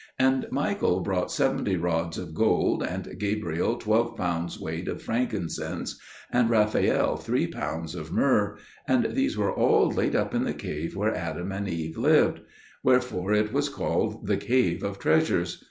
And Michael brought seventy rods of gold, and Gabriel twelve pounds weight of frankincense, and Raphael three pounds of myrrh; and these were all laid up in the cave where Adam and Eve lived: wherefore it was called the Cave of Treasures.